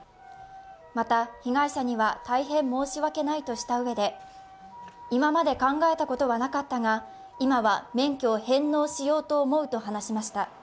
また、被害者には大変申し訳ないとしたうえで、今まで考えたことはなかったが、今は免許を返納しようと思うと話しました。